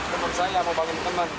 teman saya mau bagi teman